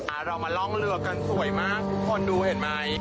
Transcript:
เรามาร่องเรือกันสวยมากทุกคนดูเห็นไหม